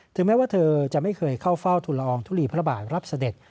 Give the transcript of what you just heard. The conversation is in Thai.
แม้ว่าเธอจะไม่เคยเข้าเฝ้าทุลอองทุลีพระบาทรับเสด็จ